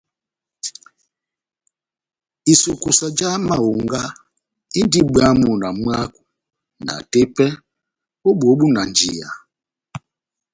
Isukusa já mahonga indi bwamu na mwako na tepɛ ó bóhó búnanjiya.